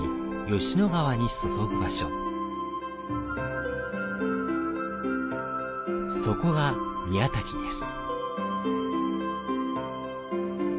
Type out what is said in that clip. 吉野川に注ぐ場所、そこが宮滝です。